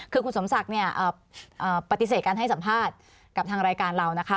คือคุณสมศักดิ์เนี่ยปฏิเสธการให้สัมภาษณ์กับทางรายการเรานะคะ